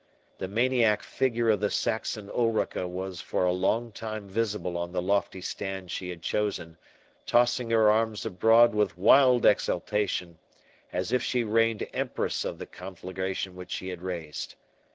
The maniac figure of the Saxon Ulrica was for a long time visible on the lofty stand she had chosen, tossing her arms abroad with wild exultation, as if she reined empress of the conflagration which she had raised.